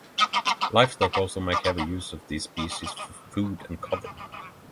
Livestock also make heavy use of this species for food and cover.